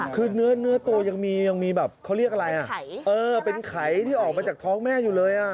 คือเนื้อตัวยังมียังมีแบบเค้าเรียกอะไรอ่ะเป็นไข่เออเป็นไข่ที่ออกมาจากท้องแม่อยู่เลยอ่ะ